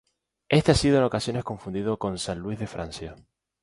Este ha sido en ocasiones confundido con san Luis de Francia.